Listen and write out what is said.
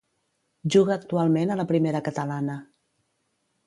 Juga actualment a la Primera Catalana.